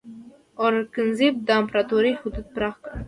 اورنګزیب د امپراتورۍ حدود پراخ کړل.